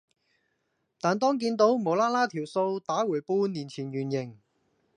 但當見倒無啦啦條數打回半年前原形